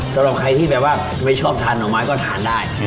สำหรับใครที่แบบว่าไม่ชอบทานหน่อไม้ก็ทานได้